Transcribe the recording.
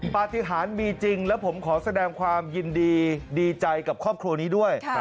ปฏิหารมีจริงแล้วผมขอแสดงความยินดีดีใจกับครอบครัวนี้ด้วย